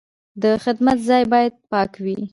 د خدمت ځای باید پاک وي.